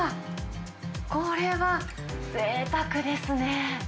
これはぜいたくですね。